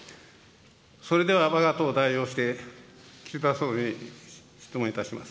それではわが党を代表して、岸田総理に質問いたします。